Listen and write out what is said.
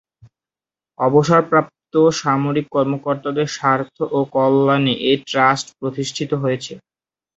অবসরপ্রাপ্ত সামরিক কর্মকর্তাদের স্বার্থ ও কল্যাণে এ ট্রাস্ট প্রতিষ্ঠিত হয়েছিল।